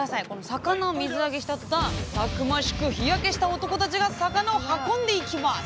魚を水揚げしたとたんたくましく日焼けした男たちが魚を運んでいきます